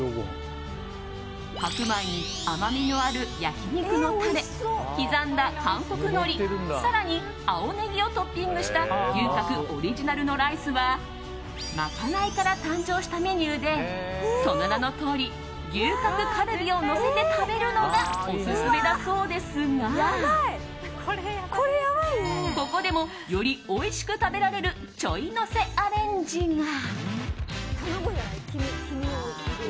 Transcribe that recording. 白米に、甘みのある焼き肉のタレ刻んだ韓国のり更に青のりをトッピングした牛角オリジナルのライスは賄いから誕生したメニューでその名のとおり牛角カルビをのせて食べるのがオススメだそうですがここでもよりおいしく食べられるちょいのせアレンジが。